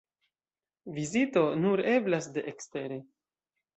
Vizito nur eblas de ekstere.